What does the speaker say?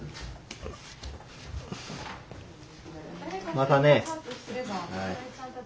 またね。